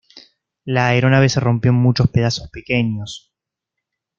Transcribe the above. La aeronave se rompió en muchos pedazos pequeños.